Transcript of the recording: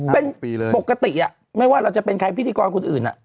เป็นปกติอ่ะไม่ว่าเราจะเป็นใครพิธีกรของคนอื่นอ่ะ